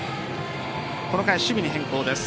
この回、守備に変更です。